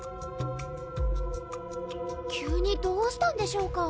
・急にどうしたんでしょうか？